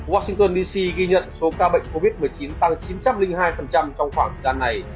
washington dc ghi nhận số ca bệnh covid một mươi chín tăng chín trăm linh hai trong khoảng thời gian này